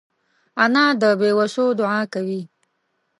انا د بېوسو دعا کوي